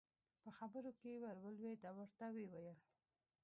په خبرو کې ور ولوېد او ورته ویې وویل.